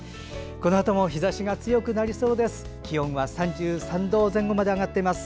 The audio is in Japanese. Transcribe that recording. このあとも日ざしが強くなりそうです。